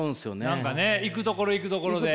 何かね行くところ行くところで。